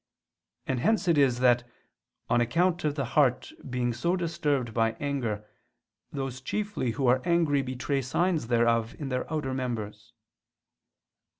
And hence it is that, on account of the heart being so disturbed by anger, those chiefly who are angry betray signs thereof in their outer members.